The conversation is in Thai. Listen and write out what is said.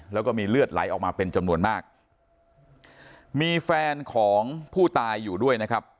แล้วก็มีเลือดไหลออกมาเป็นจำนวนมากมีแฟนของผู้ตายอยู่ด้วยนะครับ